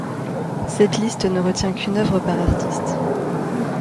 Cette liste ne retient qu'une œuvre par artiste.